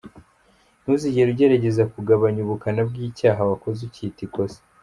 Ntuzigera ugerageza kugabanya ubukana bw’icyaha wakoze ucyita ‘ikosa’.